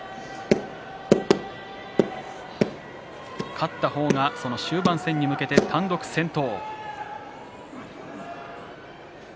勝った方が、その終盤戦に向けて単独先頭。